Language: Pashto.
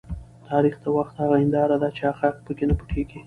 تاریخ د وخت هغه هنداره ده چې حقایق په کې نه پټیږي.